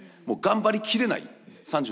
もう頑張りきれない。